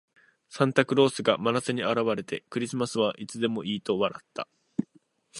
サンタクロースが真夏に現れて、「クリスマスはいつでもいい」と笑った。